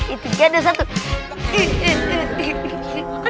itu kira ada satu